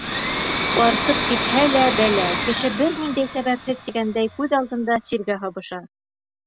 Артып китһә лә — бәлә, кеше бер ниндәй сәбәпһеҙ тигәндәй күҙ алдында сиргә һабыша.